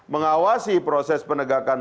mengawasi proses penegakan